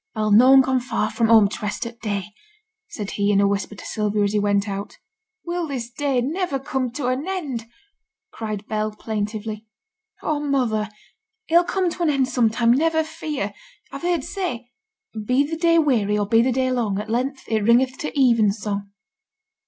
'A'll noane go far fra' home t' rest o' t' day,' said he, in a whisper to Sylvia, as he went out. 'Will this day niver come to an end?' cried Bell, plaintively. 'Oh, mother! it'll come to an end some time, never fear. I've heerd say "Be the day weary or be the day long, At length it ringeth to even song."'